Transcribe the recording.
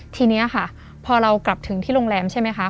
ทีนี้ค่ะพอเรากลับถึงที่โรงแรมใช่ไหมคะ